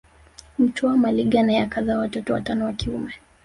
Mtwa Maliga naye akazaa watoto watano wa kiume